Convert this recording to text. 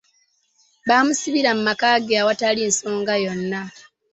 Bamusibira mu maka ge awatali nsoga yona.